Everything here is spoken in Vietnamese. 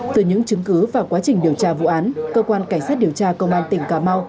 từ những chứng cứ và quá trình điều tra vụ án cơ quan cảnh sát điều tra công an tỉnh cà mau